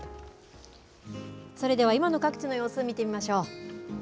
それでは今の各地の様子、見てみましょう。